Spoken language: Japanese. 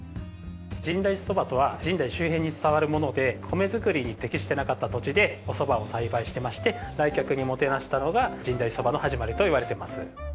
深大寺そばとは深大寺周辺に伝わるもので米作りに適していなかった土地でおそばを栽培してまして来客にもてなしたのが深大寺そばの始まりといわれています。